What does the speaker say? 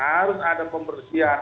harus ada pembersihan